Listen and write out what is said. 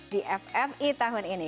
di ffi tahun ini